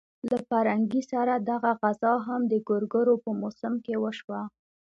له پرنګي سره دغه غزا هم د ګورګورو په موسم کې وشوه.